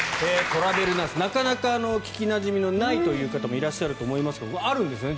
トラベルナースなかなか聞きなじみのないという方もいらっしゃると思いますがあるんですね